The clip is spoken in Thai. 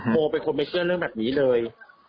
โมเป็นคนไม่เชื่อเรื่องแบบนี้เลย